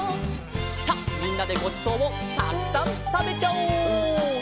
さあみんなでごちそうをたくさんたべちゃおう。